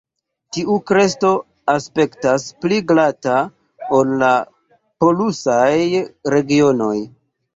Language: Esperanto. Tiu kresto aspektas pli glata ol la "polusaj" regionoj.